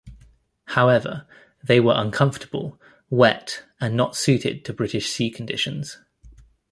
However, they were uncomfortable, wet and not suited to British sea conditions.